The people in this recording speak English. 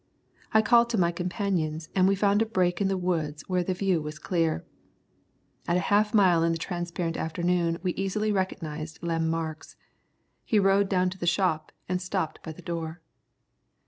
I called to my companions and we found a break in the woods where the view was clear. At half a mile in the transparent afternoon we easily recognised Lem Marks. He rode down to the shop and stopped by the door.